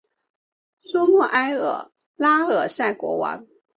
苏穆埃尔拉尔萨国王。